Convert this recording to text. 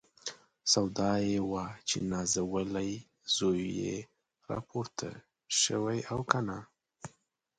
سودا یې وه چې نازولی زوی یې راپورته شوی او که نه.